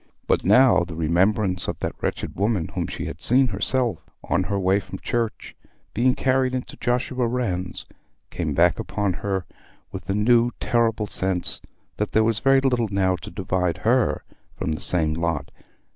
But now the remembrance of that wretched woman whom she had seen herself, on her way from church, being carried into Joshua Rann's, came back upon her with the new terrible sense that there was very little now to divide her from the same lot.